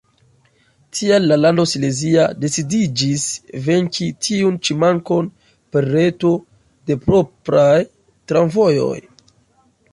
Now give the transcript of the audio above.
Tial la lando silezia decidiĝis venki tiun ĉi mankon per reto de propraj tramvojoj.